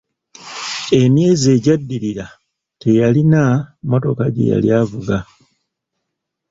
Emyezi egyaddirira teyalina mmotoka gye yali avuga.